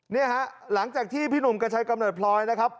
เนี่ยฮะหลังจากที่พี่หนุ่มกระชัยกำเนิดพลอยนะครับ